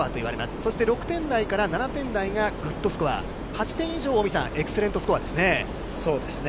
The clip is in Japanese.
そして６点台から７点台がグッドスコア、８点以上、近江さん、そうですね。